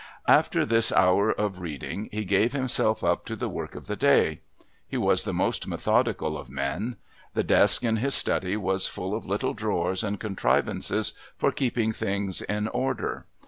After his hour of reading he gave himself up to the work of the day. He was the most methodical of men: the desk in his study was full of little drawers and contrivances for keeping things in order.